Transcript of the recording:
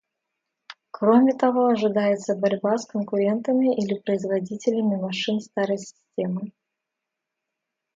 Кроме того, ожидается борьба с конкурентами или производителями машин старой системы.